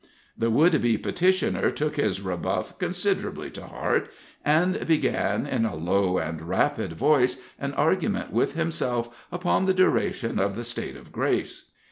The would be petitioner took his rebuff considerably to heart, and began, in a low and rapid voice, an argument with himself upon the duration of the state of grace.